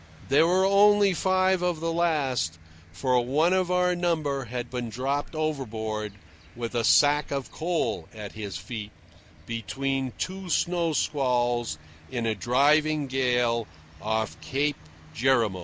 There were only five of the last, for one of our number had been dropped overboard, with a sack of coal at his feet, between two snow squalls in a driving gale off Cape Jerimo.